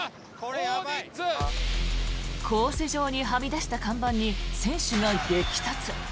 コース上にはみ出した看板に選手が激突。